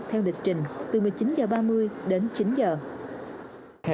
theo lịch trình từ một mươi chín h ba mươi đến chín giờ